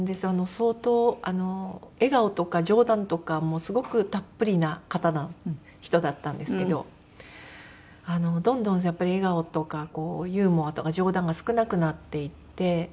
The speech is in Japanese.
相当笑顔とか冗談とかもすごくたっぷりな人だったんですけどどんどんやっぱり笑顔とかユーモアとか冗談が少なくなっていって。